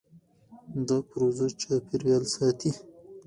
دا پروژه چاپېریال ساتي.